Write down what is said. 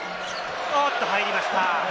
入りました。